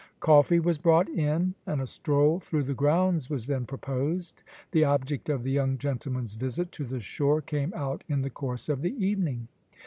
Coffee was brought in, and a stroll through the grounds was then proposed. The object of the young gentlemen's visit to the shore came out in the course of the evening.